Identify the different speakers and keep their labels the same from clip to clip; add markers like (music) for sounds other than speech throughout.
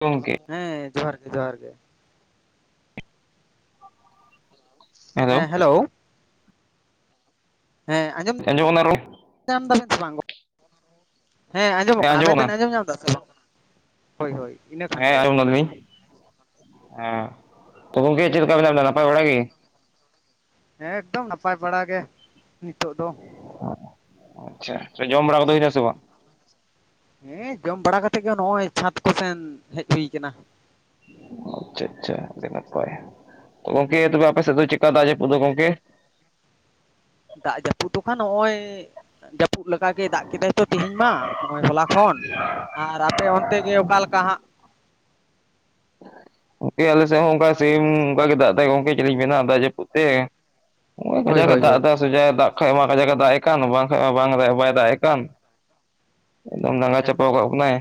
Speaker 1: ᱜᱚᱝᱠᱮ
Speaker 2: ᱦᱮᱸ ᱡᱚᱦᱟᱨ ᱜᱮ ᱡᱚᱦᱟᱨ ᱜᱮ ᱦᱮᱸ ᱦᱮᱞᱳ ᱦᱮᱸ ᱟᱸᱡᱚᱢ
Speaker 1: ᱟᱸᱡᱚᱢᱚᱜ ᱠᱟᱱᱟ ᱨᱚᱲ
Speaker 2: ᱧᱟᱢ ᱫᱟᱵᱮᱱ ᱥᱮ ᱵᱟᱝ ᱜᱚᱼᱼ ᱦᱮᱸ ᱟᱸᱡᱚᱢᱚᱜ ᱠᱟᱱᱟ ᱟᱵᱮᱱ ᱵᱮᱱ ᱟᱸᱡᱚᱢ ᱧᱟᱢ ᱫᱟ ᱥᱮ ᱵᱟᱝ ᱦᱳᱭ ᱦᱳᱭ ᱤᱱᱟᱹ ᱠᱷᱟᱱ
Speaker 1: ᱦᱮᱸ
Speaker 2: ᱜᱮ
Speaker 1: ᱟᱸᱡᱚᱢ ᱫᱟᱞᱤᱧ ᱦᱮᱸ ᱜᱚᱝᱠᱮ ᱪᱮᱫ ᱞᱮᱠᱟ ᱢᱮᱱᱟᱜ ᱵᱮᱱᱟ ᱱᱟᱯᱟᱭ ᱵᱟᱲᱟ ᱜᱮᱼᱼ
Speaker 2: ᱦᱮᱸ ᱮᱠᱫᱚᱢ ᱱᱟᱯᱟᱭ ᱵᱟᱲᱟ ᱜᱮ ᱱᱤᱛᱚᱜ ᱫᱚ᱾
Speaker 1: ᱟᱪᱪᱷᱟ ᱛᱟᱦᱮ ᱡᱚᱢ ᱵᱟᱲᱟ ᱠᱚᱫᱚ ᱦᱩᱭᱱᱟ ᱥᱮ ᱵᱟᱝ?
Speaker 2: ᱦᱮᱸ ᱡᱚᱢ ᱵᱟᱲᱟ ᱠᱟᱛᱮᱜ ᱜᱮ ᱱᱚᱜᱼᱚᱭ ᱪᱷᱟᱸᱫᱽ ᱠᱚᱥᱮᱱ ᱦᱮᱡ ᱦᱩᱭ ᱠᱟᱱᱟ᱾
Speaker 1: ᱟᱪᱪᱷᱟ ᱟᱪᱪᱷᱟ ᱟᱹᱰᱤ ᱱᱟᱯᱟᱭ ᱜᱚᱝᱠᱮ ᱛᱚᱵᱮ ᱟᱯᱮ ᱥᱮᱫ ᱫᱚ ᱪᱮᱜᱠᱟ ᱫᱟᱜ ᱡᱟᱹᱯᱩᱫ ᱫᱚ ᱜᱚᱝᱠᱮ?
Speaker 2: ᱫᱟᱜ ᱡᱟᱹᱯᱩᱫ ᱛᱚᱠᱷᱟᱱ ᱱᱚᱜ ᱚᱭ ᱡᱟᱹᱯᱩᱫ ᱞᱮᱠᱟᱜᱮ ᱫᱟᱜ ᱠᱮᱫᱟᱭ ᱛᱚ ᱛᱮᱦᱤᱧ ᱢᱟ ᱦᱚᱜᱼᱚᱭ ᱦᱚᱞᱟ᱾ ᱯᱷᱳᱱ ᱟᱨ ᱟᱯᱮ ᱚᱱᱛᱮ ᱜᱮ ᱚᱠᱟᱞᱮᱠᱟ ᱦᱟᱸᱜ᱾
Speaker 1: ᱜᱚᱝᱠᱮ ᱟᱞᱮᱥᱮᱜ ᱦᱚᱸ ᱚᱝᱠᱟ ᱥᱮᱢ ᱚᱝᱠᱟ ᱜᱮ ᱫᱟᱜ ᱫᱟᱭ ᱜᱚᱝᱠᱮ ᱪᱮᱜᱞᱤᱧ ᱢᱮᱱᱟ ᱫᱟᱜ ᱡᱟᱹᱯᱩᱫ ᱛᱮ᱾ ᱦᱚᱜᱼᱚᱭ
Speaker 2: ᱦᱳᱭ
Speaker 1: ᱠᱟᱡᱟᱠᱮ
Speaker 2: ᱦᱳᱭ
Speaker 1: ᱫᱟᱜ
Speaker 2: ᱦᱳᱭ
Speaker 1: ᱮᱫᱟ ᱥᱮᱡᱟ ᱫᱟᱜ ᱠᱷᱟᱡ ᱢᱟ ᱠᱟᱡᱟᱠᱮ ᱫᱟᱜ ᱮ ᱠᱟᱱ ᱵᱟᱝᱠᱷᱟᱡ ᱢᱟ ᱵᱟᱝ ᱫᱟ ᱵᱟᱭ ᱫᱟᱜ ᱮ ᱠᱟᱱ ᱮᱠᱫᱚᱢ ᱫᱟᱸᱜᱟ ᱪᱟᱯᱟᱣ
Speaker 2: ᱮᱠᱫᱚᱢ
Speaker 1: ᱠᱟᱜ
Speaker 2: ᱮᱠᱫᱚᱢ
Speaker 1: ᱵᱚᱱᱟᱭ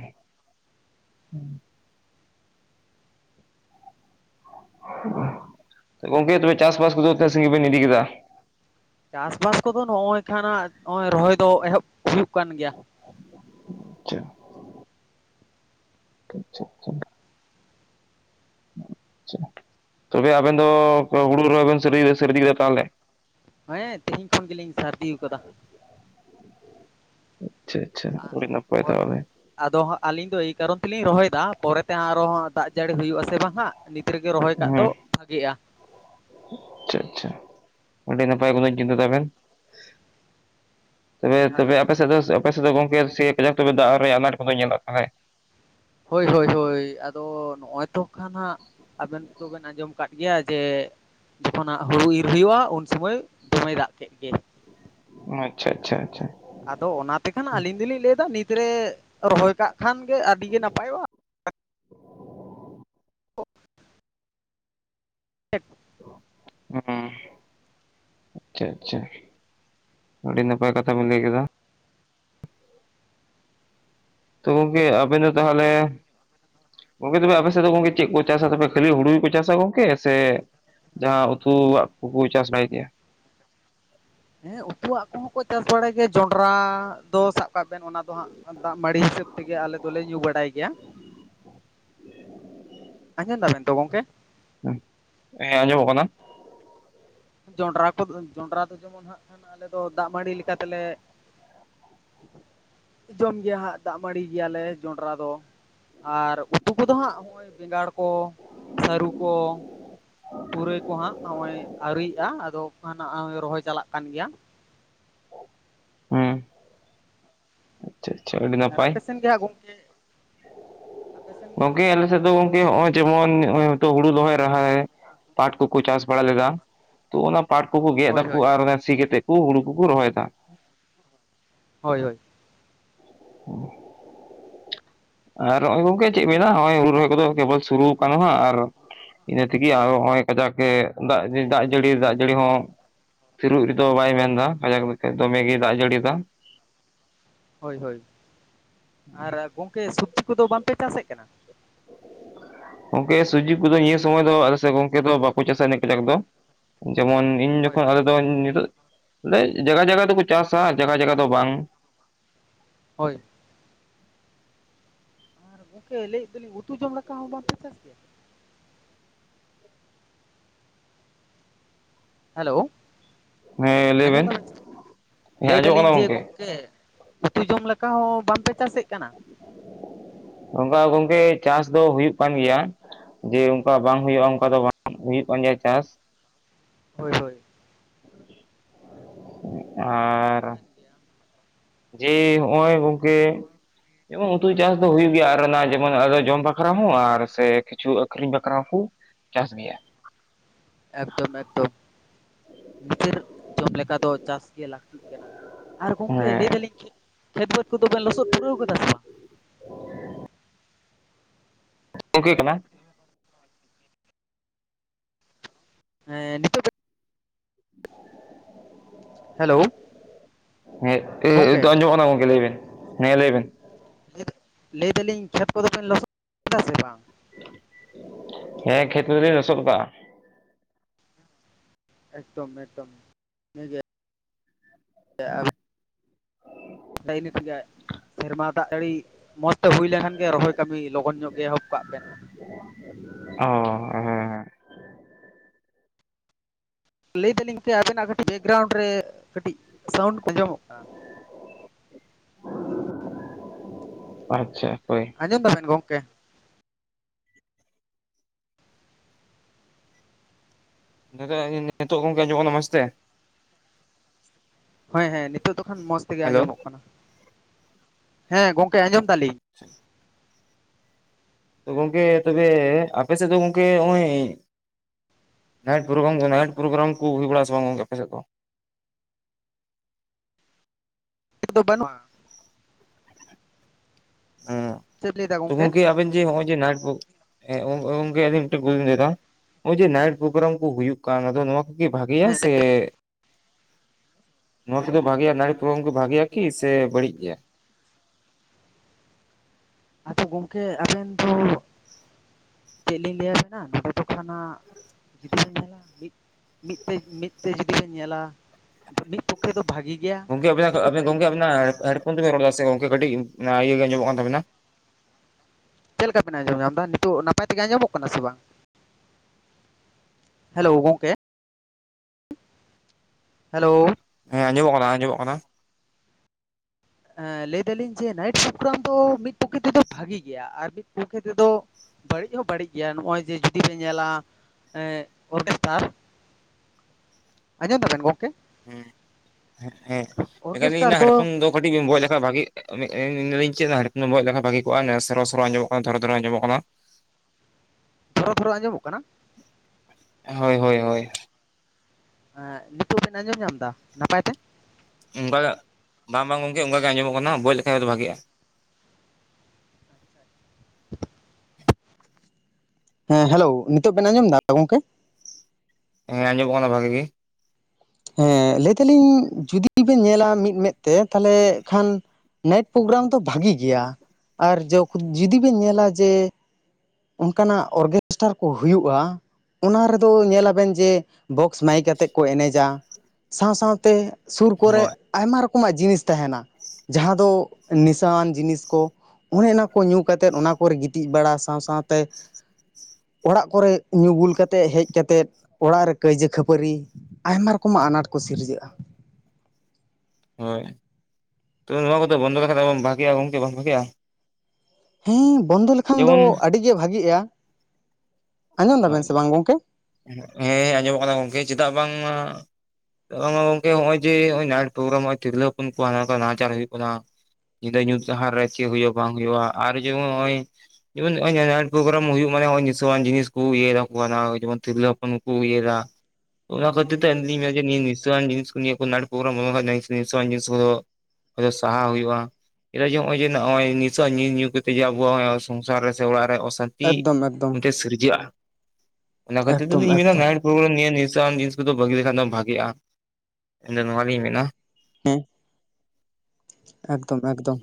Speaker 1: ᱜᱚᱝᱠᱮ ᱛᱚᱵᱮ ᱪᱟᱥ ᱵᱟᱥ ᱠᱚᱫᱚ ᱛᱤᱱᱟᱹᱜ ᱥᱟᱺᱜᱤᱧ ᱵᱮᱱ ᱤᱫᱤ ᱠᱮᱫᱟ?
Speaker 2: ᱪᱟᱥᱵᱟᱥ ᱠᱚᱫᱚ ᱱᱚᱜᱼᱚᱭ ᱠᱷᱟᱱᱟᱜ ᱱᱚᱜᱼᱚᱭ ᱨᱚᱦᱚᱭ ᱫᱚ ᱮᱦᱚᱵ ᱦᱩᱭᱩᱜ ᱠᱟᱱ ᱜᱮᱭᱟ᱾
Speaker 1: ᱟᱪᱪᱷᱟ ᱟᱪᱪᱷᱟ ᱟᱪᱪᱷᱟ ᱪᱷᱟ ᱛᱚᱵᱮ ᱟᱵᱮᱱ ᱫᱚ ᱛᱚ ᱦᱩᱲᱩ ᱨᱚᱦᱚᱭ ᱵᱮᱱ ᱥᱟᱹᱨᱫᱤᱫᱟ ᱥᱟᱨᱤᱫᱤ ᱠᱮᱫᱟ ᱛᱟᱦᱚᱞᱮ
Speaker 2: ᱦᱮᱸ ᱛᱮᱦᱮᱧ ᱠᱷᱚᱱ ᱜᱮᱞᱤᱧ ᱥᱟᱨᱫᱤᱣ ᱠᱟᱫᱟ᱾
Speaker 1: (inaudible) ᱟᱰᱤ ᱱᱟᱯᱚᱭ
Speaker 2: ᱚᱛ
Speaker 1: ᱛᱟᱦᱚᱞᱮ᱾
Speaker 2: ᱟᱫᱚ ᱦᱟᱸᱜ ᱟᱹᱞᱤᱧ ᱫᱚ ᱮᱭ ᱠᱟᱨᱚᱱ ᱛᱮᱞᱤᱧ ᱨᱚᱦᱚᱭᱮᱫᱟ ᱯᱚᱨᱮ ᱛᱮ ᱟᱨᱚ ᱦᱟᱸᱜ ᱫᱟᱜ ᱡᱟᱹᱲᱤ ᱦᱩᱭᱩᱜ ᱟᱥᱮ ᱵᱟᱝ ᱦᱟᱸᱜ᱾ ᱱᱤᱛ ᱨᱮᱜᱮ ᱨᱚᱦᱚᱭ ᱠᱟᱜ ᱫᱚ
Speaker 1: ᱦᱮᱸ
Speaker 2: ᱵᱷᱟᱜᱮᱜᱼᱟ᱾
Speaker 1: ᱟᱪᱪᱷᱟ ᱟᱪᱪᱷᱟ ᱟᱹᱰᱤ ᱱᱟᱯᱟᱭ ᱜᱚᱞᱤᱧ ᱪᱤᱱᱛᱟᱹ ᱛᱟᱵᱮᱱ᱾ ᱛᱚᱵᱮ
Speaker 2: ᱟᱨ
Speaker 1: ᱛᱚᱵᱮ ᱟᱯᱮ ᱥᱮᱫ ᱫᱚ ᱟᱯᱮ ᱥᱮᱫ ᱫᱚ ᱜᱚᱝᱠᱮ ᱥᱮ ᱠᱟᱡᱟᱠ ᱛᱚᱵᱮ ᱫᱟᱜ ᱨᱮᱭᱟᱜ ᱟᱱᱟᱴ ᱠᱚᱫᱚ ᱧᱮᱞᱚᱜ ᱛᱟᱦᱮᱸᱼᱼ
Speaker 2: ᱦᱳᱭ ᱦᱳᱭ ᱦᱳᱭ ᱟᱫᱚ ᱱᱚᱜᱼᱚᱭ ᱛᱚ ᱠᱷᱟᱱ ᱦᱟᱸᱜ ᱟᱵᱮᱱ ᱛᱚᱵᱮᱱ ᱟᱸᱡᱚᱢ ᱠᱟᱫᱼᱼ ᱜᱮᱭᱟ ᱡᱮ ᱡᱚᱠᱷᱚᱱ ᱦᱟᱸᱜ ᱦᱩᱲᱩ ᱤᱨ ᱦᱩᱭᱩᱜᱼᱟ ᱩᱱᱥᱩᱢᱚᱭ ᱫᱚᱢᱮ ᱫᱟᱜ ᱠᱮᱜ ᱜᱮᱼᱼ
Speaker 1: ᱟᱪᱪᱷᱟ ᱟᱪᱪᱷᱟ ᱟᱪᱪᱷᱟ
Speaker 2: ᱟᱫᱚ ᱚᱱᱟ ᱛᱮᱠᱷᱟᱱ ᱟᱹᱞᱤᱧ ᱫᱚᱞᱤᱧ ᱞᱮᱭᱫᱟ ᱱᱤᱛ ᱨᱮ ᱨᱚᱦᱚᱭ ᱠᱟᱜ ᱠᱷᱟᱱ ᱜᱮ ᱟᱹᱰᱤᱜᱮ ᱱᱟᱯᱟᱭᱚᱜᱼᱟ᱾ ᱮᱼᱼ
Speaker 1: ᱦᱩᱸ ᱟᱪᱪᱷᱟ ᱟᱪᱪᱷᱟ ᱟᱹᱰᱤ ᱱᱟᱯᱟᱭ ᱠᱟᱛᱷᱟ ᱵᱮᱱ ᱞᱮᱭ ᱠᱮᱫᱟ᱾ ᱛᱚ ᱜᱚᱝᱠᱮ ᱟᱵᱮᱱ ᱫᱚ ᱛᱟᱦᱚᱞᱮ ᱜᱚᱝᱠᱮ ᱛᱚᱵᱮ ᱟᱯᱮ ᱥᱮᱜ ᱫᱚ ᱜᱚᱝᱠᱮ ᱪᱮᱜ ᱠᱚ ᱪᱟᱥᱟ ᱛᱚᱵᱮ ᱠᱷᱟᱹᱞᱤ ᱦᱩᱲᱩ ᱜᱮ ᱠᱚ ᱪᱟᱥᱟ ᱜᱚᱝᱠᱮ ᱥᱮᱼᱼ ᱡᱟᱦᱟᱸ ᱩᱛᱷᱩᱣᱟᱜ ᱠᱚᱠᱚ ᱪᱟᱥ ᱵᱟᱲᱟᱭ ᱜᱮᱭᱟ᱾
Speaker 2: ᱦᱮᱸ ᱩᱛᱩᱣᱟᱜ ᱠᱚᱦᱚᱸ ᱠᱚ ᱪᱟᱥ ᱵᱟᱲᱟᱭ ᱜᱮᱭᱟ ᱡᱚᱸᱰᱨᱟ ᱫᱚ ᱥᱟᱵ ᱠᱟᱜ ᱵᱮᱱ ᱚᱱᱟ ᱫᱚ ᱦᱟᱸᱜᱼᱼ ᱫᱟᱜ ᱢᱟᱹᱲᱤ ᱦᱤᱥᱟᱹᱵ ᱛᱮᱜᱮ ᱟᱞᱮ ᱫᱚᱞᱮ ᱧᱩ ᱵᱟᱲᱟᱭ ᱜᱮᱭᱟ᱾
Speaker 1: (inaudible)
Speaker 2: ᱟᱸᱡᱚᱢ ᱫᱟᱵᱮᱱ ᱛᱚ ᱜᱚᱝᱠᱮ?
Speaker 1: ᱦᱮᱸ ᱟᱸᱡᱚᱢᱚᱜ ᱠᱟᱱᱟ᱾
Speaker 2: ᱡᱚᱱᱰᱨᱟ ᱠᱚ ᱡᱚᱸᱰᱨᱟ ᱫᱚ ᱡᱮᱢᱚᱱ ᱦᱟᱸᱜ ᱠᱷᱟᱱ ᱟᱞᱮ ᱫᱚ ᱫᱟᱜ ᱢᱟᱹᱲᱤ ᱞᱮᱠᱟ ᱛᱮᱞᱮᱼᱼ ᱡᱚᱢ ᱜᱮᱭᱟ ᱦᱟᱸᱜ ᱫᱟᱜ ᱢᱟᱹᱲᱤ ᱜᱮᱭᱟᱞᱮ ᱡᱚᱱᱰᱨᱟ ᱫᱚ, ᱟᱨ ᱩᱛᱩ ᱠᱚᱫᱚ ᱦᱟᱸᱜ ᱦᱚᱜᱼᱚᱭ ᱵᱮᱸᱜᱟᱲ ᱠᱚ ᱥᱟᱹᱨᱩ ᱠᱚ, ᱯᱩᱨᱟᱹᱭ ᱠᱚᱦᱟᱸᱜ ᱱᱚᱜᱼᱚᱭ ᱟᱹᱣᱨᱤᱭᱟᱜᱼᱟ ᱟᱫᱚ ᱠᱷᱟᱱ ᱨᱚᱦᱚᱭ ᱪᱟᱞᱟᱜ ᱠᱟᱱ ᱜᱮᱭᱟ᱾
Speaker 1: ᱦᱩᱸ ᱟᱪᱪᱷᱟ ᱟᱪᱪᱷᱟ ᱟᱹᱰᱤ ᱱᱟᱯᱟᱭ᱾
Speaker 2: ᱱᱤᱠᱟᱹᱱ ᱜᱮᱭᱟ ᱜᱚᱢᱠᱮ
Speaker 1: ᱜᱚᱢᱠᱮ
Speaker 2: ᱜᱚᱝᱠᱮ
Speaker 1: ᱟᱞᱮ ᱥᱮᱫ
Speaker 2: ᱚᱠᱟ
Speaker 1: ᱫᱚ
Speaker 2: ᱞᱮᱠᱟ
Speaker 1: ᱜᱚᱢᱠᱮ ᱦᱚᱸᱜᱼᱚᱭ ᱡᱮᱢᱚᱱ ᱱᱚᱜᱼᱚᱭ ᱦᱤᱛᱚᱜ ᱦᱩᱲᱩ ᱨᱚᱦᱚᱭ ᱞᱟᱦᱟ ᱯᱟᱴ ᱠᱚᱠᱚ ᱪᱟᱥ ᱵᱟᱲᱟ ᱞᱮᱫᱟ ᱛᱚ ᱚᱱᱟ ᱯᱟᱴ ᱠᱚᱠᱚ ᱜᱮᱫ
Speaker 2: ᱦᱳᱭ
Speaker 1: ᱫᱟᱠᱚ
Speaker 2: ᱦᱳᱭ
Speaker 1: ᱟᱨ ᱚᱱᱟ ᱥᱤ ᱠᱟᱛᱮᱫ ᱠᱚ ᱦᱩᱲᱩ ᱠᱚᱠᱚ ᱨᱚᱦᱚᱭᱮᱫᱟ᱾
Speaker 2: ᱦᱳᱭ, ᱦᱳᱭ
Speaker 1: ᱟᱨ ᱱᱚᱜ-ᱚᱭ ᱜᱚᱢᱠᱮ ᱪᱮᱫ ᱢᱮᱱᱟᱜ-ᱟ ᱱᱚᱜᱼᱚᱭ ᱦᱩᱲᱩ ᱨᱚᱦᱚᱭ ᱠᱚᱫᱚ ᱠᱮᱵᱚᱞ ᱥᱩᱨᱩ ᱟᱠᱟᱱ ᱨᱮ ᱦᱚᱸ ᱟᱨ ᱦᱚᱸᱼᱼ ᱤᱱᱟᱹ ᱛᱮᱜᱮ ᱟᱨ ᱱᱚᱜᱼᱚᱭ ᱜᱟᱡᱟᱠ ᱮᱸ ᱫᱟᱜ ᱫᱤᱱ ᱫᱟᱜ ᱡᱟᱹᱲᱤ ᱫᱟᱜ ᱡᱟᱹᱲᱤ ᱦᱚᱸᱼᱼ ᱛᱷᱤᱨᱩᱚᱜ ᱜᱮᱛᱚ ᱵᱟᱭ ᱢᱮᱱᱫᱟ ᱜᱟᱡᱟᱠ ᱵᱚᱞᱛᱮ ᱫᱚᱢᱮᱜᱮᱭ ᱫᱟᱜ ᱡᱟᱹᱲᱤᱭᱫᱟ᱾
Speaker 2: ᱦᱳᱭ ᱦᱳᱭ ᱟᱨ ᱜᱚᱢᱠᱮ ᱥᱚᱵᱡᱤ ᱠᱚᱫᱚ ᱵᱟᱝᱯᱮ ᱪᱟᱥᱮᱫ ᱠᱟᱱᱟ᱾
Speaker 1: ᱜᱚᱢᱠᱮ ᱥᱚᱵᱡᱤ ᱠᱚᱫᱚ ᱱᱤᱭᱟᱹ ᱥᱚᱢᱚᱭ ᱫᱚ ᱟᱞᱮᱥᱮ ᱜᱚᱢᱠᱮ ᱫᱚ ᱵᱟᱠᱚ ᱪᱟᱥᱟ ᱤᱱᱟᱹᱜ ᱜᱟᱡᱟᱠ ᱫᱚ ᱡᱮᱢᱚᱱᱼᱼ ᱤᱧ
Speaker 2: ᱦᱳᱭ
Speaker 1: ᱡᱚᱠᱷᱚᱱ ᱟᱞᱮ ᱫᱚ ᱱᱤᱛᱚᱜ ᱵᱚᱞᱮ ᱡᱟᱭᱜᱟ ᱡᱟᱭᱜᱟ ᱫᱚᱠᱚ ᱪᱟᱥᱟ ᱡᱟᱭᱜᱟ ᱡᱟᱭᱜᱟ ᱫᱚ ᱵᱟᱝ,
Speaker 2: ᱦᱳᱭ ᱜᱚᱢᱠᱮ ᱞᱟᱹᱭᱮᱫ ᱫᱚᱞᱤᱧ ᱩᱛᱩ ᱡᱚᱢ ᱞᱮᱠᱟ ᱦᱚᱸ ᱵᱟᱯᱮ ᱪᱟᱥᱜᱮᱭᱟ? ᱦᱮᱞᱳ
Speaker 1: ᱦᱮᱸ ᱞᱟᱹᱭ
Speaker 2: ᱟᱡᱚᱢ
Speaker 1: ᱵᱮᱱ
Speaker 2: ᱫᱟᱞᱟᱝ ᱪᱮᱵᱟᱝ
Speaker 1: ᱦᱮᱸ
Speaker 2: ᱞᱟᱹᱭ
Speaker 1: ᱟᱸᱡᱚᱢᱚᱜ ᱠᱟᱱᱟ
Speaker 2: ᱫᱟᱞᱤᱧ ᱡᱮ
Speaker 1: ᱜᱚᱝᱠᱮ
Speaker 2: ᱜᱚᱢᱠᱮ ᱩᱛᱩ ᱡᱚᱢ ᱞᱮᱠᱟ ᱦᱚᱸ ᱵᱟᱯᱮ ᱪᱟᱥᱮᱫ ᱠᱟᱱᱟ?
Speaker 1: ᱚᱱᱠᱟ ᱜᱚᱢᱠᱮ ᱪᱟᱥ ᱫᱚ ᱦᱩᱭᱩᱜ ᱠᱟᱱ ᱜᱮᱭᱟ᱾ ᱡᱮ ᱚᱱᱠᱟ ᱵᱟᱝ ᱦᱩᱭᱩᱜᱼᱟ ᱚᱱᱠᱟ ᱫᱚ ᱵᱟᱝ ᱦᱩᱭᱩᱜ ᱠᱟᱱ ᱜᱮᱭᱟ ᱪᱟᱥ᱾
Speaker 2: ᱦᱳᱭ ᱦᱳᱭ ᱚᱱᱟ ᱫᱚ
Speaker 1: ᱟᱨ
Speaker 2: ᱞᱟᱹᱠᱛᱤᱜ ᱠᱟᱱ ᱜᱮᱭᱟ
Speaker 1: ᱡᱮ ᱱᱚᱜᱼᱚᱭ ᱜᱚᱢᱠᱮ ᱡᱮᱢᱟᱱ ᱩᱛᱩ ᱪᱟᱥᱼᱼ ᱦᱩᱭᱫᱚ ᱦᱩᱭᱩᱜ ᱜᱮᱭᱟ ᱟᱨ ᱚᱱᱟ ᱡᱮᱢᱚᱱ ᱟᱫᱚ ᱡᱚᱢ ᱵᱟᱠᱷᱨᱟ ᱦᱚᱸ ᱟᱨ ᱥᱮ ᱠᱤᱪᱷᱩ ᱟᱹᱠᱷᱨᱤᱧ ᱵᱟᱠᱷᱨᱟ ᱦᱚᱸ, ᱪᱟᱥ ᱜᱮᱭᱟ
Speaker 2: ᱮᱠᱫᱚᱢ-ᱮᱠᱫᱚᱢ ᱱᱤᱡᱮᱨ ᱡᱚᱢ ᱞᱮᱠᱟ ᱫᱚ ᱪᱟᱥ ᱜᱮ ᱞᱟᱹᱠᱛᱤᱜ ᱠᱟᱱᱟ᱾ ᱟᱨ ᱜᱚᱢᱠᱮ ᱞᱟᱹᱭ
Speaker 1: ᱦᱮᱸ
Speaker 2: ᱫᱟᱞᱤᱧ ᱠᱷᱮᱛ, ᱠᱷᱮᱛ ᱵᱟᱹᱫᱽ ᱠᱚᱫᱚ ᱵᱮᱱ ᱞᱚᱥᱚᱫ ᱯᱩᱨᱟᱹᱣ ᱠᱟᱫᱟ ᱥᱮ ᱵᱟᱝ?
Speaker 1: (unintelligible) ᱜᱮ ᱠᱟᱱᱟ,
Speaker 2: ᱦᱮᱸ ᱱᱤᱛᱳᱜ (unintelligible) ᱦᱮᱞᱳᱣ
Speaker 1: ᱦᱮᱸᱜ ᱮᱜ ᱱᱤᱛᱚᱜ ᱟᱸᱡᱚᱢᱟᱜ ᱠᱟᱱᱟ ᱜᱚᱢᱠᱮ ᱞᱟᱹᱭᱵᱮᱱ ᱦᱮᱸ ᱞᱟᱹᱭᱵᱮᱱ,
Speaker 2: ᱞᱟᱹᱭ, ᱞᱟᱹᱭ ᱫᱟᱞᱤᱧ ᱠᱷᱮᱛ ᱠᱚᱫᱚ ᱵᱮᱱ ᱞᱚᱥᱚᱫ ᱠᱮᱫᱟ ᱥᱮ ᱵᱟᱝ?
Speaker 1: ᱦᱮᱸ ᱠᱷᱮᱛ ᱠᱚᱫᱚᱞᱤᱧ ᱞᱚᱥᱚᱫ ᱠᱟᱜ-ᱟ᱾
Speaker 2: ᱮᱠᱫᱚᱢ-ᱮᱠᱫᱚᱢ ᱤᱱᱟᱹ ᱜᱮᱼᱼ ᱪᱟᱜ-ᱟᱢᱼᱼ ᱟᱫᱚ ᱤᱱᱟᱹ ᱠᱷᱚᱱ ᱜᱮ (unintelligible) ᱥᱮᱨᱢᱟ ᱫᱟᱜ ᱡᱟᱹᱲᱤ ᱢᱚᱸᱡᱽ ᱛᱮ ᱦᱩᱭ ᱞᱮᱠᱷᱟᱱ ᱜᱮ ᱨᱚᱦᱚᱭ ᱠᱟᱹᱢᱤ ᱞᱚᱜᱚᱱ ᱧᱚᱜ ᱜᱮ ᱮᱦᱚᱵ ᱠᱟᱜ ᱵᱮᱱ᱾
Speaker 1: ᱚ ᱦᱮᱸ-ᱦᱮᱸ
Speaker 2: ᱞᱟᱹᱭ ᱫᱟᱞᱤᱧ ᱯᱮ ᱟᱵᱮᱱᱟᱜ ᱠᱟᱹᱴᱤᱡ ᱵᱮᱜᱽᱜᱨᱟᱣᱩᱱ ᱨᱮ ᱠᱟᱹᱴᱤᱡ ᱥᱟᱣᱩᱱᱰ ᱠᱚ ᱡᱚᱢᱚᱜ ᱠᱟᱱᱟ᱾
Speaker 1: ᱟᱪᱪᱷᱟ ᱦᱳᱭ
Speaker 2: ᱟᱸᱡᱚᱢ ᱫᱟᱵᱮᱱ ᱜᱚᱝᱠᱮ?
Speaker 1: ᱫᱟᱫᱟ ᱟᱫᱚ ᱱᱤᱛᱚᱜ ᱜᱚᱢᱠᱮ ᱟᱸᱡᱚᱢᱚᱜ ᱠᱟᱱᱟ ᱢᱚᱪᱛᱮ,
Speaker 2: ᱦᱳᱭ ᱦᱮᱸ ᱱᱤᱛᱚᱜ ᱫᱚ ᱠᱷᱟᱱ ᱢᱚᱸᱡᱽ ᱛᱮᱜᱮ
Speaker 1: ᱦᱮᱞᱳ
Speaker 2: ᱟᱸᱡᱚᱢᱚᱜ ᱠᱟᱱᱟ ᱦᱮᱸ ᱜᱚᱝᱠᱮ ᱟᱸᱡᱚᱢ ᱫᱟᱞᱤᱧ,
Speaker 1: (inaudible) ᱛᱚ ᱜᱚᱝᱠᱮ ᱛᱚᱵᱮ ᱟᱯᱮ ᱥᱮᱫ ᱫᱚ ᱜᱚᱝᱠᱮ ᱱᱚᱜ-ᱚᱭᱼᱼ ᱱᱟᱭᱤᱴ ᱯᱨᱳᱜᱽᱨᱟᱢ ᱠᱚ ᱱᱟᱭᱤᱴ ᱯᱨᱳᱜᱽᱨᱟᱢ ᱠᱚ ᱦᱩᱭ ᱵᱟᱲᱟᱜ ᱟᱥᱮ ᱵᱟᱝ ᱜᱚᱝᱠᱮ ᱟᱯᱮ ᱥᱮᱫ ᱠᱚ?
Speaker 2: (unintelligible) ᱫᱚ ᱵᱟᱹᱱᱩᱜ-ᱟ,
Speaker 1: ᱩᱸ
Speaker 2: ᱪᱮᱫ ᱞᱟᱹᱭ ᱫᱟ
Speaker 1: ᱛᱚ ᱜᱚᱝᱠᱮ ᱟᱵᱮᱱ ᱡᱮ ᱱᱚᱜ-ᱚᱭ ᱡᱮ ᱱᱟᱭᱤᱴ ᱯᱳᱼᱼ ᱮᱸ (unintelligible) ᱜᱚᱢᱠᱮ ᱟᱞᱤᱧ ᱢᱤᱫᱴᱮᱱ ᱠᱩᱠᱞᱤᱧ ᱞᱟᱹᱭ ᱮᱫᱟ ᱱᱚᱜ-ᱚᱭ ᱡᱮ ᱱᱟᱭᱤᱴ ᱯᱨᱳᱜᱽᱨᱟᱢ ᱠᱚ ᱦᱩᱭᱩᱜ ᱠᱟᱱ ᱟᱫᱚ ᱱᱚᱣᱟᱼᱼ ᱣᱟ ᱠᱤ ᱵᱷᱟᱜᱮᱭᱟ
Speaker 2: ᱦᱮᱸ
Speaker 1: ᱥᱮᱻ ᱱᱚᱣᱟ ᱠᱚᱫᱚ ᱵᱷᱟᱜᱮᱭᱟ ᱱᱟᱭᱤᱴ ᱯᱨᱳᱜᱽᱨᱟᱢ ᱠᱚ ᱵᱷᱟᱜᱮᱭᱟᱠᱤ ᱥᱮ ᱵᱟᱹᱲᱤᱡ ᱜᱮᱭᱟ?
Speaker 2: ᱟᱫᱚ ᱜᱚᱢᱠᱮ ᱟᱵᱮᱱ ᱫᱚ ᱪᱮᱫ ᱞᱤᱧ ᱞᱟᱹᱭ ᱟᱵᱮᱱᱟ ᱱᱚᱰᱮ ᱫᱚ ᱠᱟᱱᱷᱟᱼᱼ ᱡᱩᱫᱤ ᱯᱮ ᱧᱮᱞᱟ ᱢᱤᱫ ᱢᱤᱫ ᱛᱮ ᱢᱤᱫ ᱛᱮ ᱡᱩᱫᱤ ᱯᱮ ᱧᱮᱞᱟ ᱢᱤᱫ ᱯᱚᱠᱼᱼ ᱯᱚᱠᱠᱷᱮ ᱫᱚ ᱵᱷᱟᱜᱤ ᱜᱮᱭᱟ ᱢᱤᱫ ᱯᱚᱠᱠᱷᱮ ᱫᱚ ᱵᱟᱹᱲᱤᱡ ᱜᱮᱭᱟ᱾
Speaker 1: (unintelligible) ᱯᱷᱩᱱ ᱛᱮᱵᱤᱱ ᱨᱚᱲ ᱜᱮᱭᱟ ᱥᱮ ᱜᱚᱝᱠᱮ ᱠᱟᱹᱴᱤᱡ ᱤᱭᱟᱹ ᱜᱮ ᱟᱸᱡᱚᱢᱚᱜ ᱠᱟᱱ ᱛᱟᱵᱤᱱᱟ᱾
Speaker 2: ᱪᱮᱫ ᱞᱮᱠᱟ ᱵᱤᱱ ᱟᱸᱡᱚᱢ ᱧᱟᱢ ᱮᱫᱟ ᱱᱤᱛᱚᱜ ᱱᱟᱯᱟᱭ ᱛᱮᱜᱮ ᱟᱸᱡᱚᱢᱚᱜ ᱠᱟᱱᱟ ᱥᱮ ᱵᱟᱝ? ᱦᱮᱞᱳᱣ ᱜᱚᱝᱠᱮ, ᱦᱮᱞᱳᱣ
Speaker 1: ᱮᱸ ᱟᱸᱡᱚᱢᱚᱜ ᱠᱟᱱᱟ ᱟᱸᱡᱚᱢᱚᱜ ᱠᱟᱱᱟ᱾
Speaker 2: ᱦᱮᱸ ᱞᱟᱹᱭ ᱫᱟᱞᱤᱧ ᱡᱮ ᱱᱟᱭᱤᱴ ᱯᱨᱳᱜᱨᱟᱢ ᱫᱚ ᱢᱤᱫ ᱯᱚᱠᱠᱷᱮ ᱛᱮᱫᱚ ᱵᱷᱟᱜᱤ ᱜᱮᱭᱟ ᱟᱨ ᱢᱤᱫ ᱯᱚᱠᱠᱷᱮ ᱛᱮ ᱫᱚᱼᱼ ᱵᱟᱹᱲᱤᱡ ᱦᱚᱸ ᱵᱟᱹᱲᱤᱡ ᱜᱮᱭᱟ ᱱᱚᱜ-ᱚᱭ ᱡᱮ ᱡᱩᱫᱤ ᱵᱮᱱ ᱧᱮᱞᱟ ᱚᱨᱜᱮᱥᱴᱟᱨᱼᱼ ᱟᱡᱚᱢ ᱫᱟᱵᱮᱱ ᱜᱚᱝᱠᱮ?
Speaker 1: ᱦᱩᱸ, ᱦᱮᱸ ᱢᱮ ᱠᱮ ᱫᱟ ᱞᱤᱧ ᱚᱱᱟ ᱦᱮᱰᱯᱷᱳᱱ ᱫᱚ ᱠᱟᱹᱴᱤᱡ ᱵᱤᱱ ᱵᱚᱡ ᱞᱮᱠᱷᱟᱱ ᱵᱷᱟᱜᱤᱜᱼᱼ (unintelligible) ᱦᱮᱴᱯᱷᱳ ᱮᱤᱱ ᱵᱚᱡ ᱞᱮᱠᱷᱟᱱ ᱵᱷᱟᱹᱜᱤ ᱠᱚᱜ-ᱟ ᱥᱚᱨᱚ-ᱥᱚᱨᱚ ᱟᱸᱡᱚᱢᱚᱜ ᱠᱟᱱᱟ ᱫᱷᱚᱨᱚ ᱫᱷᱚᱨᱮ ᱟᱹᱡᱚᱢᱚᱜ ᱠᱟᱱᱟ᱾
Speaker 2: ᱯᱷᱚᱨᱚ-ᱯᱷᱚᱨᱚ ᱟᱸᱡᱚᱢᱚᱜ ᱠᱟᱱᱟ?
Speaker 1: ᱦᱳᱭ-ᱦᱳᱭ-ᱦᱳᱭ
Speaker 2: ᱮᱸ ᱱᱤᱛᱚᱜ ᱵᱮᱱ ᱟᱸᱡᱚᱢ ᱧᱟᱢ ᱮᱫᱟ ᱱᱟᱯᱟᱭ ᱛᱮ?
Speaker 1: ᱜᱠᱟᱜᱮ ᱵᱟᱝ ᱵᱟᱝ ᱵᱟᱝ ᱜᱚᱝᱠᱮ ᱚᱝᱠᱟ ᱜᱮ ᱟᱸᱡᱚᱢᱚᱜ ᱠᱟᱱᱟ ᱵᱚᱡ ᱞᱮᱠᱷᱟᱱ ᱫᱚ ᱵᱷᱟᱜᱤᱜ-ᱟ᱾
Speaker 2: ᱦᱮᱸ ᱦᱮᱞᱳ ᱱᱤᱛᱚᱜ ᱵᱮᱱ ᱟᱸᱡᱚᱢ ᱫᱟ ᱜᱚᱝᱠᱮ᱾
Speaker 1: ᱦᱮᱸ ᱟᱸᱡᱚᱢᱚᱜ ᱠᱟᱱᱟ ᱵᱷᱟᱜᱤ ᱜᱮ᱾
Speaker 2: ᱦᱮᱸ ᱞᱟᱹᱭ ᱫᱟᱞᱤᱧ ᱡᱩᱫᱤ ᱵᱮᱱ ᱧᱮᱞᱟ ᱢᱤᱫ ᱢᱮᱫ ᱛᱮ ᱛᱟᱦᱚᱞᱮ ᱠᱷᱟᱱ ᱱᱟᱭᱤᱴ ᱯᱨᱳᱜᱨᱟᱢ ᱫᱚ ᱵᱷᱟᱜᱤ ᱜᱮᱭᱟ ᱟᱨ ᱡᱩᱫᱤ ᱵᱮᱱ ᱧᱮᱞᱟ ᱡᱮ ᱚᱱᱠᱟᱱᱟᱜ ᱚᱨᱜᱮᱥᱴᱟᱨ ᱠᱚ ᱦᱩᱭᱩᱜᱼᱟ ᱚᱱᱟ ᱨᱮᱫᱚ ᱧᱮᱞᱟᱵᱮᱱ ᱡᱮ ᱵᱚᱠᱥ ᱢᱟᱭᱤᱠ ᱟᱛᱮᱫ ᱠᱚ ᱮᱱᱮᱡᱟ᱾ ᱥᱟᱶ ᱥᱟᱶᱛᱮ ᱥᱩᱨ ᱠᱚᱨᱮ
Speaker 1: ᱦᱳᱭ
Speaker 2: ᱟᱭᱢᱟ ᱨᱚᱠᱚᱢᱟᱜ ᱡᱤᱱᱤᱥ ᱛᱟᱦᱮᱱᱟ᱾ ᱡᱟᱸᱦᱟᱸ ᱫᱚ ᱱᱮᱥᱟᱣᱟᱱ ᱡᱤᱱᱤᱥ ᱠᱚ ᱚᱱᱮ ᱚᱱᱟ ᱠᱚ ᱧᱩ ᱠᱟᱛᱮᱫ ᱚᱱᱟ ᱠᱚᱨᱮ ᱜᱤᱛᱤᱡ ᱵᱟᱲᱟ ᱥᱟᱶ ᱥᱟᱶᱛᱮ ᱚᱲᱟᱜ ᱠᱚᱨᱮ ᱧᱩ ᱵᱩᱞ ᱠᱟᱛᱮᱫ ᱦᱮᱡ ᱠᱟᱛᱮᱫ ᱚᱲᱟᱜ ᱨᱮ ᱠᱟᱹᱭᱡᱟᱹ ᱠᱷᱟᱹᱯᱟᱹᱨᱤ ᱟᱭᱢᱟ ᱨᱚ ᱠᱚᱢᱟᱜ ᱟᱱᱟᱴ ᱠᱚ ᱥᱤᱨᱡᱟᱹᱜᱼᱟ᱾
Speaker 1: ᱦᱳᱭ ᱛᱚᱵᱮ ᱱᱚᱣᱟ ᱠᱚᱫᱚ ᱵᱚᱱᱫᱚ ᱞᱮᱠᱷᱟᱱ ᱫᱚ ᱵᱟᱝ ᱵᱷᱟᱜᱤᱜ-ᱟ ᱜᱚᱝᱠᱮ ᱵᱟᱝ ᱵᱷᱟᱜᱤᱜᱼᱟ᱾
Speaker 2: ᱦᱮᱸ ᱵᱚᱱᱫᱚ ᱞᱮᱠᱷᱟᱱ ᱫᱚ
Speaker 1: ᱡᱮᱢᱚᱱ
Speaker 2: ᱟᱹᱰᱤ ᱜᱮ ᱵᱷᱟᱜᱤᱜᱼᱟ, ᱟᱸᱡᱚᱢ ᱮᱫᱟᱵᱮᱱ ᱥᱮ ᱵᱟᱝ ᱜᱚᱝᱠᱮ᱾
Speaker 1: ᱦᱮᱸ ᱟᱸᱡᱚᱢᱚᱜ ᱠᱟᱱᱟ ᱜᱚᱝᱠᱮ ᱪᱮᱫᱟᱜ ᱵᱟᱝ ᱦᱚᱸᱜᱚᱭ ᱜᱚᱝᱠᱮ ᱦᱚᱸᱜᱚᱭ ᱡᱮ ᱱᱟᱭᱤᱴ ᱯᱨᱳᱜᱨᱟᱢ ᱛᱤᱨᱞᱟᱹ ᱦᱚᱯᱚᱱ ᱠᱚᱣᱟᱜ ᱦᱟᱱᱟ ᱱᱟᱦᱟᱪᱟᱨ ᱦᱩᱭᱩᱜ ᱠᱟᱱᱟ᱾ ᱧᱤᱫᱟᱹ ᱧᱩᱛ ᱰᱟᱦᱟᱨ ᱨᱮ ᱪᱮᱫ ᱦᱩᱭᱩᱜᱼᱟ ᱵᱟᱝ ᱦᱩᱭᱩᱜᱼᱟ ᱟᱨ ᱡᱮᱢ ᱱᱚᱜᱼᱚᱭ ᱡᱮᱢᱚᱱ ᱱᱚᱜᱚᱭ ᱱᱟᱭᱤᱴ ᱯᱨᱳᱜᱨᱟᱢ ᱦᱩᱭᱩᱜ ᱢᱟᱱᱮ ᱦᱚᱜᱚᱭ ᱱᱤᱥᱟᱹᱣᱟᱱ ᱡᱤᱱᱤᱥ᱾ ᱠᱚ ᱤᱭᱟ. ᱮᱫᱟ ᱠᱩ ᱡᱮᱢᱚᱱ ᱛᱤᱨᱞᱟᱹ ᱦᱚᱯᱚᱱ ᱠᱚ ᱤᱭᱟ. ᱭ ᱫᱟ᱾ ᱚᱱᱟ ᱠᱷᱟᱹᱛᱤᱨ ᱛᱮ ᱤᱧ ᱫᱩᱧ ᱢᱮᱱᱟ ᱡᱮ ᱱᱤᱭᱟ ᱱᱤᱥᱟᱹᱣᱟᱱ ᱡᱤᱱᱤᱥ ᱠᱚ ᱱᱤᱭᱟ ᱠᱚ ᱱᱟᱭᱤᱴ ᱯᱨᱳᱜᱨᱟᱢ (unintelligible) ᱱᱤᱥᱟᱹᱣᱟᱱ ᱠᱚᱫᱚ᱾ ᱠᱚ ᱥᱟᱦᱟ ᱦᱩᱭᱩᱜᱼᱟ᱾ ᱪᱮᱫᱟᱜ ᱡᱮ ᱱᱚᱜᱼᱚᱭ ᱡᱮ ᱱᱚᱜᱼᱚᱭ ᱱᱤᱥᱟᱜ ᱧᱩ ᱧᱩ ᱠᱟᱛᱮ ᱡᱮ ᱟᱵᱚᱣᱟᱜ ᱥᱚᱝᱥᱟᱨ ᱨᱮ ᱥᱮ ᱚᱲᱟᱜ ᱨᱮ ᱚᱥᱟᱱ ᱛᱤ
Speaker 2: ᱮᱠᱫᱚᱢ ᱮᱠᱫᱚᱢ
Speaker 1: ᱥᱤᱨᱡᱟᱹᱜᱼᱟ ᱚᱱᱟ ᱠᱷᱟᱹᱛᱤᱨ ᱛᱮ
Speaker 2: ᱮᱠᱫᱚᱢ
Speaker 1: ᱞᱤᱧ ᱢᱮᱱᱟ
Speaker 2: ᱮᱠᱫᱚᱢ
Speaker 1: ᱱᱟ ᱯᱩᱨᱟ ᱱᱤᱭᱟᱹ ᱱᱤᱥᱟᱹᱣᱟᱱ ᱡᱤᱱᱤᱥ ᱠᱚᱫᱚ ᱵᱟᱹᱜᱤ ᱞᱮᱠᱷᱟᱱ ᱫᱚ ᱵᱷᱟᱜᱤᱜᱼᱟ, ᱤᱧᱫᱚ ᱱᱚᱣᱟ ᱜᱤᱧ ᱢᱮᱱᱟ᱾
Speaker 2: ᱦᱮᱸ ᱮᱠᱫᱚᱢ ᱮᱠᱫᱚᱢ᱾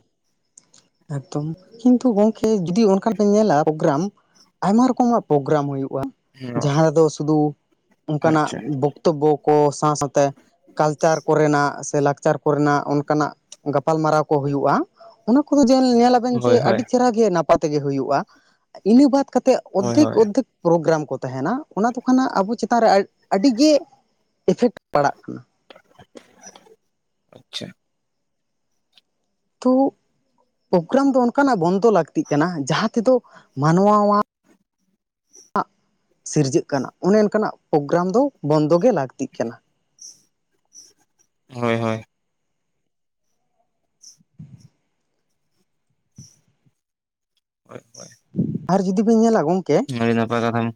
Speaker 2: ᱮᱠᱫᱚᱢ ᱠᱤᱱᱛᱩ ᱜᱚᱢᱠᱮ ᱡᱩᱫᱤ ᱚᱱᱠᱟᱱ ᱯᱮ ᱧᱮᱞᱟ ᱯᱨᱳᱜᱨᱟᱢ ᱟᱭᱢᱟ ᱨᱚᱠᱚᱢᱟᱜ ᱯᱨᱳᱜᱨᱟᱢ ᱦᱩᱭᱩᱜᱼᱟ ᱡᱟᱸᱦᱟᱸ ᱨᱮᱫᱚ ᱥᱩᱫᱩ ᱚᱱᱠᱟᱱᱟᱜ
Speaker 1: ᱟᱪᱪᱷᱟ
Speaker 2: ᱵᱚᱠᱛᱚᱵᱵᱚ ᱠᱚ ᱥᱟᱶ ᱥᱟᱶ ᱛᱮ ᱠᱟᱞᱪᱟᱨ ᱠᱚᱨᱮᱱᱟᱜ ᱥᱮ ᱞᱟᱠᱪᱟᱨ ᱠᱚ ᱨᱮᱱᱟᱜ ᱚᱱᱠᱟᱱᱟᱜ ᱜᱟᱯᱟᱞ ᱢᱟᱨᱟᱣ ᱠᱚ ᱦᱩᱭᱩᱜᱼᱟ᱾ ᱠᱚ ᱵᱮᱱ ᱧᱮᱞᱟᱵᱮᱱ
Speaker 1: ᱦᱳᱭ
Speaker 2: ᱡᱮ
Speaker 1: ᱦᱳᱭ
Speaker 2: ᱟᱹᱰᱤ ᱪᱮᱦᱨᱟ ᱜᱮ ᱱᱟᱯᱟᱭ ᱛᱮᱜᱮ ᱦᱩᱭᱩᱜᱼᱟ ᱤᱱᱟᱹ ᱵᱟᱫ ᱠᱟᱛᱮᱫ
Speaker 1: ᱦᱳᱭ
Speaker 2: ᱚᱫᱽᱫᱷᱮᱠ
Speaker 1: ᱦᱳᱭ
Speaker 2: ᱚᱫᱽᱫᱷᱮᱠ ᱯᱨᱳᱜᱨᱟᱢ ᱠᱚ ᱛᱟᱦᱮᱱᱟ ᱚᱱᱟ ᱛᱚ ᱠᱷᱚᱱᱟᱜ ᱟᱵᱚ ᱪᱮᱛᱟᱱ ᱨᱮ ᱟᱹᱰᱤ ᱜᱮ ᱤᱯᱷᱮᱠᱴ ᱯᱟᱲᱟᱜ ᱠᱟᱱᱟ᱾
Speaker 1: ᱟᱪᱪᱷᱟ
Speaker 2: ᱛᱳ ᱯᱨᱳᱜᱨᱟᱢ ᱫᱚ ᱚᱱᱠᱟᱱᱟᱜ ᱵᱚᱱᱫᱚ ᱞᱟᱹᱠᱛᱤᱜ ᱠᱟᱱᱟ, ᱡᱟᱸᱦᱟᱸ ᱛᱮᱫᱚ ᱢᱟᱱᱣᱟ ᱟᱜ ᱟᱜ ᱥᱤᱨᱡᱟᱹᱜ ᱠᱟᱱᱟ ᱚᱱᱮ ᱚᱱᱠᱟᱱᱟᱜ ᱯᱨᱳᱜᱨᱟᱢ ᱫᱚ ᱵᱚᱱᱫᱚ ᱜᱮ ᱞᱟᱹᱠᱛᱤᱜ ᱠᱟᱱᱟ᱾
Speaker 1: ᱦᱳᱭ ᱦᱳᱭ ᱟᱪᱪᱷᱟ
Speaker 2: ᱟᱨ ᱡᱩᱫᱤ ᱵᱤᱱ ᱧᱮᱞᱟ ᱜᱚᱝᱠᱮ᱾
Speaker 1: ᱟᱹᱰᱤ ᱱᱟᱯᱟᱭ ᱠᱟᱛᱷᱟᱢ,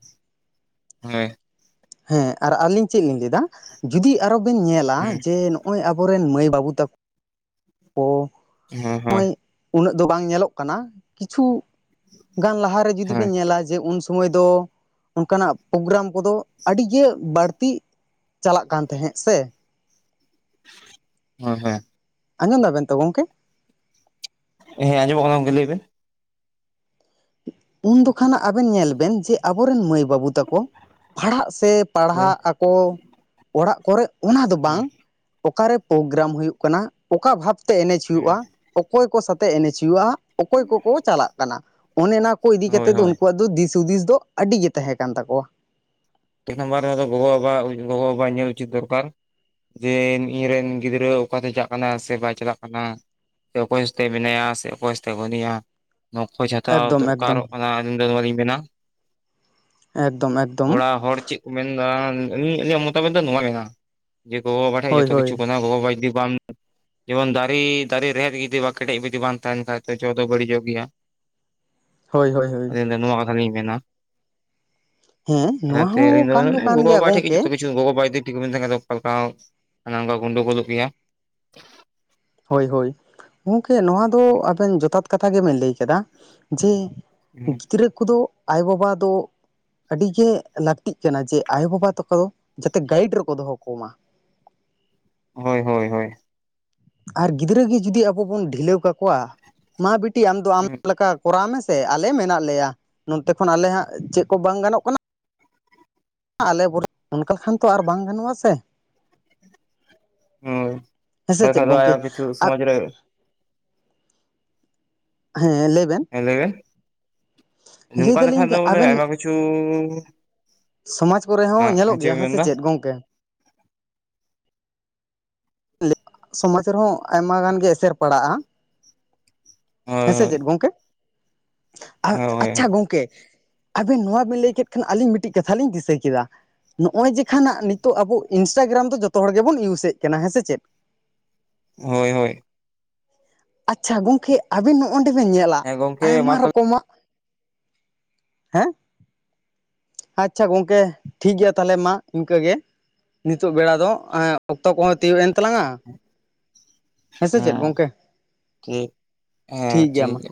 Speaker 1: ᱦᱳᱭ
Speaker 2: ᱦᱮᱸ ᱟᱨ ᱟᱹᱞᱤᱧ ᱪᱮᱫ ᱞᱤᱧ ᱞᱟᱹᱭᱫᱟ, ᱡᱩᱫᱤ ᱟᱨᱚ ᱵᱮᱱ ᱧᱮᱞᱟ
Speaker 1: ᱦᱩᱸ
Speaker 2: ᱡᱮ ᱱᱚᱜᱼᱚᱭ ᱟᱵᱚᱨᱮᱱ ᱢᱟᱹᱭ ᱵᱟᱹᱵᱩ ᱛᱟᱠᱚ ᱠᱚ,
Speaker 1: ᱦᱮᱸ ᱦᱮᱸ
Speaker 2: ᱩᱱᱟᱹᱜ ᱫᱚ ᱵᱟᱝ ᱧᱮᱞᱚᱜ ᱠᱟᱱᱟ, ᱠᱤᱪᱷᱩ ᱜᱟᱱ ᱞᱟᱦᱟᱨᱮ ᱡᱩᱫᱤ
Speaker 1: ᱦᱳᱭ
Speaker 2: ᱵᱮᱱ ᱧᱮᱞᱟ ᱡᱮ ᱩᱱ ᱥᱚᱢᱚᱭ ᱫᱚ ᱚᱱᱠᱟᱱᱟᱜ ᱯᱨᱳᱜᱨᱟᱢ ᱠᱚᱫᱚ, ᱟᱹᱰᱤ ᱜᱮ ᱵᱟᱹᱲᱛᱤ ᱪᱟᱞᱟᱜ ᱠᱟᱱ ᱛᱟᱦᱮᱸᱜ ᱥᱮ᱾
Speaker 1: ᱦᱳᱭ ᱦᱮᱸ
Speaker 2: ᱟᱸᱡᱚᱢ ᱫᱟᱵᱮᱱ ᱛᱚ ᱜᱚᱝᱠᱮ?
Speaker 1: ᱦᱮᱸ ᱟᱡᱚᱢᱚᱜ ᱠᱟᱱᱟ ᱜᱚᱝᱠᱮ ᱞᱟᱹᱭ ᱵᱮᱱ?
Speaker 2: ᱩᱱ ᱫᱚ ᱠᱷᱟᱱᱟᱜ ᱟᱵᱮᱱ ᱧᱮᱞ ᱵᱮᱱ ᱡᱮᱼᱼ ᱟᱵᱚᱨᱮᱱ ᱢᱟᱹᱭ ᱵᱟᱹᱵᱩ ᱛᱟᱠᱚ ᱯᱟᱲᱦᱟᱜ ᱥᱮ
Speaker 1: ᱦᱳᱭ
Speaker 2: ᱯᱟᱲᱦᱟᱜ ᱟᱠᱚ ᱚᱲᱟᱜ ᱠᱚᱨᱮᱼᱼ ᱚᱱᱟ ᱫᱚ ᱵᱟᱝ
Speaker 1: ᱦᱩᱸ
Speaker 2: ᱚᱠᱟᱨᱮ ᱯᱨᱳᱜᱨᱟᱢ ᱦᱩᱭᱩᱜ ᱠᱟᱱᱟ ᱚᱠᱟ ᱵᱷᱟᱵᱽᱛᱮ ᱮᱱᱮᱡ
Speaker 1: ᱦᱩᱸ
Speaker 2: ᱦᱩᱭᱩᱜᱼᱟ᱾ ᱚᱠᱚᱭ ᱠᱚ ᱥᱟᱛᱮᱜ ᱮᱱᱮᱡ ᱦᱩᱭᱩᱜᱼᱟ ᱚᱠᱚᱭ ᱠᱚᱠᱚ ᱪᱟᱞᱟᱜ ᱠᱟᱱᱟ ᱚᱱᱮ ᱚᱱᱟ ᱠᱚ ᱤᱫᱤ
Speaker 1: ᱦᱳᱭ
Speaker 2: ᱠᱟᱛᱮᱛ ᱫᱚ
Speaker 1: ᱦᱳᱭ
Speaker 2: ᱩᱱᱠᱩᱼᱼ ᱠᱟᱣᱟᱜ ᱫᱚ ᱫᱤᱥ ᱦᱩᱫᱤᱥ ᱫᱚ ᱟᱹᱰᱤ ᱜᱮ ᱛᱟᱦᱮᱸ ᱠᱟᱱ ᱛᱟᱠᱚᱣᱟ᱾
Speaker 1: ᱢᱤᱫ ᱱᱟᱢᱵᱟᱨ ᱨᱮ ᱦᱚᱭᱛᱚ ᱜᱚᱜᱚ ᱵᱟᱵᱟᱼᱟᱜ ᱜᱚᱜᱚ ᱵᱟᱵᱟᱼᱟᱜ ᱧᱮᱞ ᱩᱪᱤᱛ ᱫᱚᱨᱠᱟᱨ᱾ ᱡᱮ ᱤᱧᱨᱮᱱ ᱜᱤᱫᱽᱨᱟᱹ ᱚᱠᱟᱛᱮ ᱪᱟᱜ ᱠᱟᱱᱟ ᱥᱮ ᱵᱟᱭ ᱪᱟᱞᱟᱜ ᱠᱟᱱᱟ᱾ ᱥᱮ ᱚᱠᱚᱭ ᱥᱟᱭ ᱛᱮ ᱢᱮᱱᱟᱭᱟ ᱥᱮ ᱚᱠᱚᱭ ᱥᱟᱭ ᱛᱮ ᱵᱟᱱᱩᱭᱟ᱾ ᱱᱩᱠᱩ ᱪᱷᱟᱴᱟᱣ
Speaker 2: ᱮᱠᱫᱚᱢ ᱮᱠᱫᱚᱢ
Speaker 1: ᱫᱚᱨᱠᱟᱨᱚᱜ ᱠᱟᱱᱟ ᱟᱹᱞᱤᱧ ᱫᱚ ᱱᱚᱣᱟ ᱞᱤᱧ ᱢᱮᱱᱟ᱾
Speaker 2: ᱮᱠᱫᱚᱢ ᱮᱠᱫᱚᱢ
Speaker 1: ᱚᱲᱟᱜ ᱦᱚᱲ ᱪᱮᱫ ᱠᱚ ᱢᱮᱱ ᱫᱟ ᱟᱹᱞᱤᱧ ᱟᱜ ᱢᱚᱛᱟᱢᱚᱛ ᱫᱚ ᱱᱚᱣᱟ ᱢᱮᱱᱟᱜᱼᱟ᱾ ᱡᱮ ᱜᱚᱜᱚᱼᱵᱟᱵᱟ ᱴᱷᱮᱱ
Speaker 2: ᱦᱳᱭ
Speaker 1: ᱡᱚᱛᱚ
Speaker 2: ᱦᱳᱭ
Speaker 1: ᱠᱤᱪᱷᱩ ᱠᱟᱱᱟ ᱜᱚᱼᱵᱟ ᱡᱩᱚᱫᱤ ᱵᱟᱢᱼᱼ ᱡᱮᱢᱚᱱ ᱫᱟᱨᱮ ᱫᱟᱨᱮ ᱨᱮᱦᱮᱫ ᱡᱩᱫᱤ ᱵᱟᱝ ᱠᱮᱴᱮᱡ ᱡᱩᱫᱤ ᱵᱟᱝ ᱛᱟᱦᱮᱱ ᱠᱷᱟᱡ ᱡᱚ ᱫᱚ ᱵᱟᱹᱲᱤ ᱡᱚᱜ ᱜᱮᱭᱟ᱾
Speaker 2: ᱦᱳᱭ ᱦᱳᱭ ᱦᱳᱭ
Speaker 1: ᱟᱹᱞᱤᱧ ᱫᱚ ᱵᱚᱭᱟ ᱠᱟᱛᱷᱟ ᱜᱮᱞᱤᱧ ᱢᱮᱱᱟ᱾
Speaker 2: ᱦᱮᱸ ᱱᱚᱣᱟ ᱦᱚᱸ ᱠᱟᱱ ᱫᱚ ᱠᱟᱱ ᱜᱮᱭᱟ
Speaker 1: ᱜᱚᱜᱚᱼᱵᱟᱵᱟ ᱴᱷᱮᱡ ᱜᱮ
Speaker 2: ᱜᱚᱝᱠᱮ
Speaker 1: ᱡᱚᱛᱚ ᱠᱤᱼᱼ ᱜᱚᱜᱚ ᱵᱟᱵᱟ ᱡᱩᱫᱤ ᱴᱷᱤᱠ ᱵᱟᱹᱠᱤᱱ ᱛᱟᱸᱦᱮᱱ ᱠᱷᱟᱱ ᱚᱱᱮ ᱚᱱᱠᱟ ᱜᱳᱱᱰᱳ ᱞᱚᱜ ᱜᱮᱭᱟ
Speaker 2: ᱦᱳᱭ ᱦᱳᱭ ᱾ ᱜᱚᱝᱠᱮ ᱱᱚᱣᱟ ᱫᱚ ᱟᱵᱮᱱ ᱡᱚᱛᱷᱟᱛ ᱠᱟᱛᱷᱟ ᱜᱮᱵᱮᱱ ᱞᱟᱹᱭ ᱠᱮᱫᱟ ᱡᱮᱼᱼ ᱜᱤᱫᱽᱨᱟᱹ ᱠᱚᱫᱚ ᱟᱭᱳᱼᱵᱟᱵᱟ ᱫᱚᱼᱼ ᱟᱹᱰᱤ ᱜᱮ ᱞᱟᱹᱠᱛᱤᱜ ᱠᱟᱱᱟ ᱡᱮ ᱟᱭᱳᱼᱵᱟᱵᱟ ᱛᱟᱠᱚ ᱫᱚ ᱡᱟᱛᱮ ᱜᱟᱭᱤᱰ ᱨᱮᱠᱚ ᱫᱚᱦᱚ ᱠᱚᱢᱟ᱾
Speaker 1: ᱦᱳᱭ ᱦᱳᱭ ᱦᱳᱭ
Speaker 2: ᱟᱨ ᱜᱤᱫᱽᱨᱟᱹ ᱜᱮ ᱡᱩᱫᱤ ᱟᱵᱚ ᱵᱚᱱ ᱰᱷᱤᱞᱟᱹᱣ ᱠᱟᱠᱚᱣᱟ ᱢᱟ ᱵᱤᱴᱤ ᱟᱢ ᱫᱚ ᱟᱢ ᱞᱮᱠᱟ ᱠᱚᱨᱟᱣ ᱢᱮᱥᱼᱼ ᱥᱮ ᱟᱞᱮ ᱢᱮᱱᱟᱜ ᱞᱮᱭᱟ ᱱᱚᱛᱮ ᱠᱷᱚᱱ ᱟᱞᱮ ᱦᱟᱸᱜ ᱪᱮᱫ ᱠᱚ ᱵᱟᱝ ᱜᱟᱱᱚᱜ ᱠᱟᱱᱟ᱾ ᱟᱞᱮ (unintelligible) ᱚᱱᱠᱟ ᱠᱷᱟᱱ ᱛᱚ ᱟᱨ ᱵᱟᱝ ᱜᱟᱱᱚᱜᱼᱟ ᱥᱮ᱾
Speaker 1: ᱦᱳᱭ
Speaker 2: ᱦᱮᱸᱥᱮ ᱪᱮᱫ
Speaker 1: ᱵᱟᱠᱷᱟᱱ ᱫᱚ
Speaker 2: ᱜᱚᱝᱠᱮ
Speaker 1: ᱟᱭᱢᱟ ᱠᱤᱪᱷᱩ ᱥᱚᱢᱟᱡ ᱨᱮᱼᱼ
Speaker 2: ᱦᱮᱸ ᱞᱟᱹᱭ ᱵᱮᱱ?
Speaker 1: ᱦᱮᱸ ᱞᱟᱹᱭ ᱵᱮᱱ
Speaker 2: ᱞᱟᱹᱭ
Speaker 1: ᱱᱚᱝᱠᱟ
Speaker 2: ᱫᱟᱞᱤᱧ
Speaker 1: ᱞᱮᱠᱷᱟᱱ ᱫᱚ ᱵᱚᱞᱮ
Speaker 2: ᱟᱵᱮᱱ
Speaker 1: ᱟᱭᱢᱟ ᱠᱤᱪᱷᱩᱼᱼ
Speaker 2: ᱥᱚᱢᱟᱡᱽ ᱠᱚᱨᱮ ᱦᱚᱸ ᱧᱮᱞᱚᱜ ᱜᱮᱭᱟ
Speaker 1: ᱵᱮᱱ
Speaker 2: ᱦᱮᱸ ᱥᱮ
Speaker 1: ᱢᱮᱱᱫᱟ
Speaker 2: ᱪᱮᱫ ᱜᱚᱝᱠᱮ? ᱥᱚᱢᱟᱡᱽ ᱨᱮᱦᱚᱸ ᱟᱭᱢᱟ ᱜᱟᱱ ᱜᱮ ᱮᱥᱮᱨ ᱯᱟᱲᱟᱜᱼᱟ᱾ ᱦᱮᱸ ᱥᱮ
Speaker 1: ᱦᱳᱭ
Speaker 2: ᱪᱮᱫ ᱜᱚᱝᱠᱮ
Speaker 1: ᱦᱳᱭ
Speaker 2: ᱟᱪᱪᱷᱟ
Speaker 1: ᱦᱳᱭ
Speaker 2: ᱜᱚᱢᱠᱮ ᱟᱵᱮᱱ ᱱᱚᱣᱟ ᱵᱮᱱ ᱞᱟᱹᱭ ᱠᱮᱫ ᱠᱷᱟᱱ ᱟᱹᱞᱤᱧ ᱢᱤᱫᱴᱤᱡ ᱠᱟᱛᱷᱟ ᱞᱤᱧ ᱫᱤᱥᱟᱹ ᱠᱮᱫᱟ᱾ ᱱᱚᱜᱼᱚᱭ ᱡᱮᱠᱷᱱᱟᱜ ᱱᱤᱛᱚᱜ ᱟᱵᱚ ᱤᱱᱥᱴᱟᱜᱨᱟᱢ ᱫᱚ ᱡᱚᱛᱚ ᱦᱚᱲ ᱜᱮᱵᱚᱱ ᱤᱭᱩᱡᱮᱫ ᱠᱟᱱᱟ ᱦᱮᱸ ᱥᱮ ᱪᱮᱫ?
Speaker 1: ᱦᱳᱭ ᱦᱳᱭ
Speaker 2: ᱟᱪᱪᱷᱟ ᱜᱚᱝᱠᱮ ᱟᱵᱤᱱ ᱱᱚᱜᱼᱱᱚᱰᱮ ᱵᱮᱱ ᱧᱮᱞᱟ
Speaker 1: ᱦᱮᱸ ᱜᱚᱝᱠᱮ ᱢᱟ
Speaker 2: ᱟᱭᱢᱟ
Speaker 1: ᱛᱚᱵᱮ
Speaker 2: ᱨᱚᱠᱚᱢᱟᱜ᱾ ᱦᱮᱸ ᱟᱪᱪᱷᱟ ᱜᱚᱝᱠᱮ ᱴᱷᱤᱠ ᱜᱮᱭᱟ ᱛᱟᱦᱚᱞᱮ ᱢᱟ ᱤᱱᱠᱟᱹ ᱜᱮ ᱱᱤᱛᱚᱜ ᱵᱮᱲᱟ ᱫᱚ᱾ ᱚᱠᱛᱚ ᱠᱚᱦᱚᱸ ᱛᱤᱭᱳᱜ ᱮᱱ ᱛᱟᱞᱟᱝᱼᱟ ᱦᱮᱸᱥᱮ ᱪᱮᱫ
Speaker 1: ᱦᱮᱸ
Speaker 2: ᱜᱚᱝᱠᱮ?
Speaker 1: ᱦᱮᱸ ᱴᱷᱤᱠ ᱴᱷᱤᱠ ᱜᱮᱭᱟ᱾